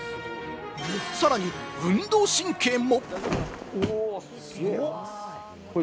さらに運動神経も。